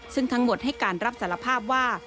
ซึ่งทั้งหมดให้การรับสารภาพว่า